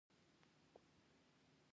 البته د دې تر زېږون وروسته یې لنډوم.